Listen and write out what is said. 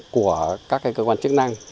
của các cơ quan chức năng